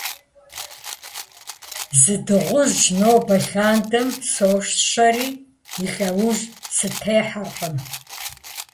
Зы дыгъужь нобэ лъандэм сощэри, и лъэужь сытехьэркъым.